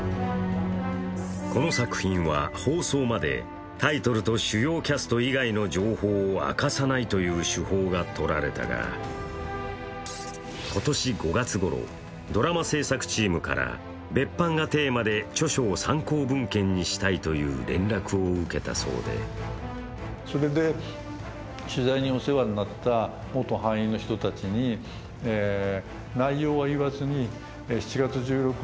この作品は放送までタイトルと主要キャスト以外の情報を明かさないという手法がとられたが、今年５月ごろ、ドラマ制作チームから別班がテーマで著書を参考文献にしたいと連絡を受けたそうで見てるんだ、この番組もご覧になってるかもしれない。すいませんでした、勝手にやって。